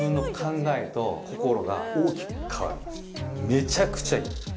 めちゃくちゃいい。